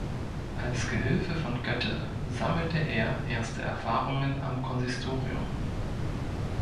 Als Gehilfe von Götte sammelte er erste Erfahrungen am Konsistorium.